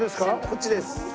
こっちです。